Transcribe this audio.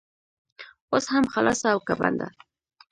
اوس هم خلاصه او که بنده؟